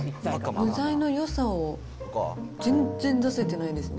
具材のよさを全然出せてないですね。